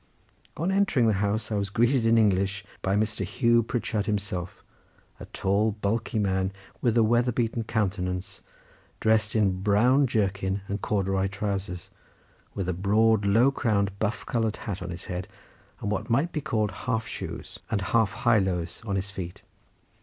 On entering the house I was greeted in English by Mr. Hugh Pritchard himself, a tall bulky man with a weather beaten countenance, dressed in a brown jerkin and corduroy trowsers, with a broad low crowned buff coloured hat on his head, and what might be called half shoes, and half high lows on his feet.